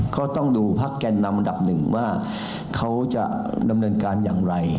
ก็ต้องดูพักแกนนำอันดับหนึ่งว่าเขาจะดำเนินการอย่างไร